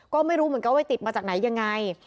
ก็ไม่รู้เหมือนกันว่าติดมาจากไหนยังไง